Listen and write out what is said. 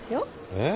えっ？